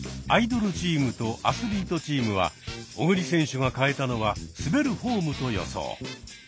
アイドルチームとアスリートチームは小栗選手が変えたのは「滑るフォーム」と予想。